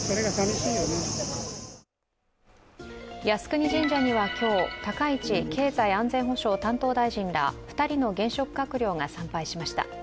靖国神社には今日、高市経済安全保障担当大臣ら２人の現職閣僚が参拝しました。